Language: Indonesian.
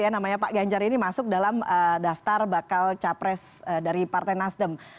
namanya pak ganjar ini masuk dalam daftar bakal capres dari partai nasdem